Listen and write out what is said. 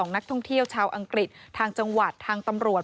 นักท่องเที่ยวชาวอังกฤษทางจังหวัดทางตำรวจ